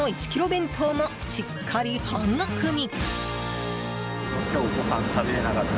弁当もしっかり半額に。